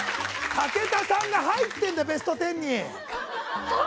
武田さんが入ってるんだベスト１０に！